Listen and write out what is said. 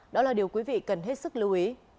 đó là điều quý vị cần hết sức lưu ý